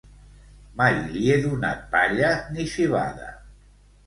Mai li he donat palla ni civada.